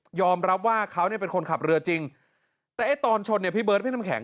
รับว่าเขาเนี่ยเป็นคนขับเรือจริงแต่ไอ้ตอนชนเนี่ยพี่เบิร์ดพี่น้ำแข